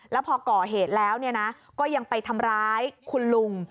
แล้วพอก่อเหตุแล้วก็ยังไปทำร้ายคุณลุง